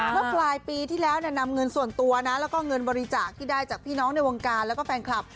เมื่อปลายปีที่แล้วนำเงินส่วนตัวนะแล้วก็เงินบริจาคที่ได้จากพี่น้องในวงการแล้วก็แฟนคลับ